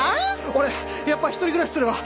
俺やっぱ一人暮らしするわ。